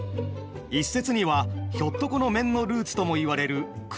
一説にはひょっとこの面のルーツともいわれる口をとがらせたもの。